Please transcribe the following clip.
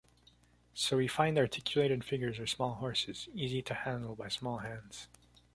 So we find articulated figures or small horses, easy to handle by small hands.